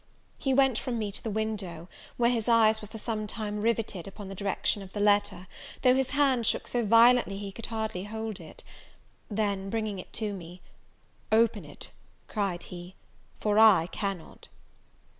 He went from me to the window, where his eyes were for some time rivetted upon the direction of the letter, though his hand shook so violently he could hardly hold it. Then, bringing it to me, "Open it," cried he, "for I cannot!"